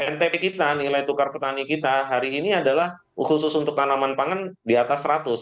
ntp kita nilai tukar petani kita hari ini adalah khusus untuk tanaman pangan di atas seratus